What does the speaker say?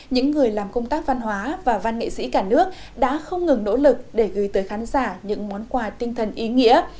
những người làm công tác văn hóa và văn nghệ sĩ cả nước đã không ngừng nỗ lực để gửi tới khán giả những món quà tinh thần ý nghĩa